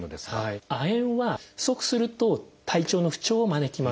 亜鉛は不足すると体調の不調を招きます。